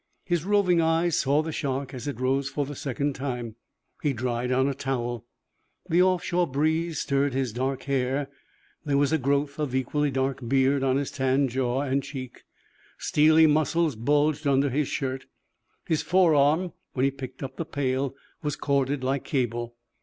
His roving eye saw the shark as it rose for the second time. He dried on a towel. The off shore breeze stirred his dark hair. There was a growth of equally dark beard on his tanned jaw and cheek. Steely muscles bulged under his shirt. His forearm, when he picked up the pail, was corded like cable.